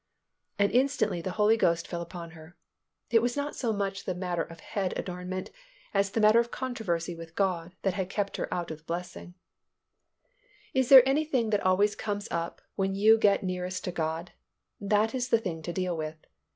and instantly the Holy Ghost fell upon her. It was not so much the matter of head adornment as the matter of controversy with God that had kept her out of the blessing. If there is anything that always comes up when you get nearest to God, that is the thing to deal with.